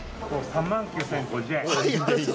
３万９，０５０円です。